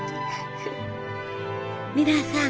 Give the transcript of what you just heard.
皆さん！